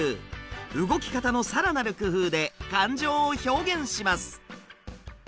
動き方のさらなる工夫で感情を表現します。